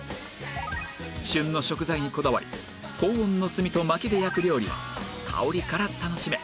旬の食材にこだわり高温の炭と薪で焼く料理は香りから楽しめ